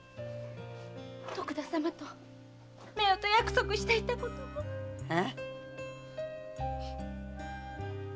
徳田様と夫婦約束していたことも。は？